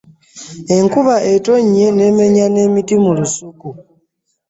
Enkuba etonnye n'emenya n'emiti mu lusuku.